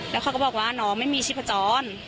แล้วเขาก็บอกว่าน้องไม่มีชีพจร